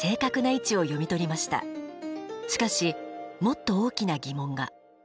しかしもっと大きな疑問が。